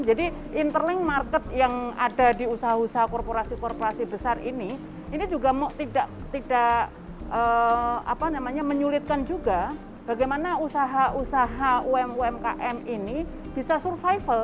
jadi interlink market yang ada di usaha usaha korporasi korporasi besar ini ini juga tidak menyulitkan juga bagaimana usaha usaha umkm ini bisa survival